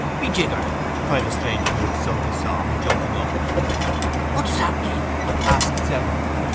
'Be jiggered!' cried the stranger who had sung the song, jumping up. 'What does that mean?' asked several.